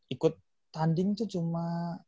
ikut tanding tuh cuma